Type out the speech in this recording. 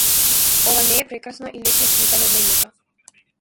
Ова не е прекрасна и лесна слика на земјата.